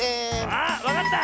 あっわかった！